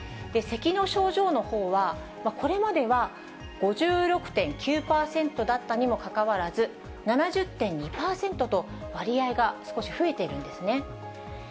せきの症状のほうは、これまでは５６．９％だったにもかかわらず、７０．２％と割合が少し増えているんですね。